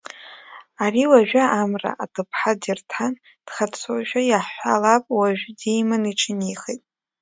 Ари уажәы амра аҭыԥҳа дирҭан дхаҵоушәа иаҳҳәалап уажәы, диман иҿынеихеит.